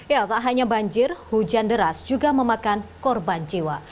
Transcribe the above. ya tak hanya banjir hujan deras juga memakan korban jiwa